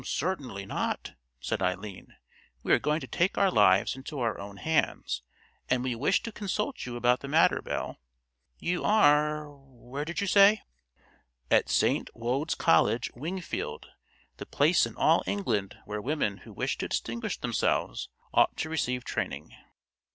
"Certainly not," said Eileen, "we are going to take our lives into our own hands, and we wish to consult you about the matter, Belle. You are—where did you say?" "At St. Wode's College, Wingfield, the place in all England where women who wish to distinguish themselves ought to receive training."